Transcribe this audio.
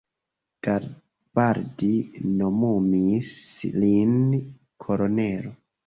Garibaldi nomumis lin kolonelo.